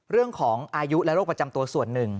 เรื่องของอายุและโรคประจำตัวส่วนหนึ่ง